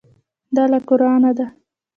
دا له قرانه ده.